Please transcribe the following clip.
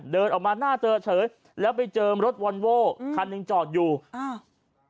เดินออกมาหน้าเจอเฉยแล้วไปเจอรถวอนโว้อืมคันหนึ่งจอดอยู่อ้าว